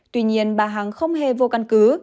tuy nhiên bà hằng không hề vô căn cứ